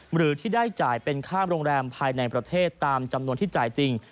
หรือที่ได้จ่ายเป็นค่าโรงแรมภายในประเทศตามจำนวนที่จ่ายจริง